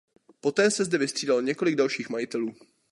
Poté se zde vystřídalo několik dalších majitelů.